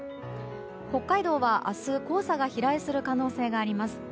北海道は明日、黄砂が飛来する可能性があります。